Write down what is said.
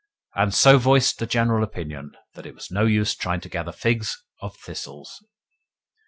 and so voiced the general opinion that it was no use trying to gather figs of thistles.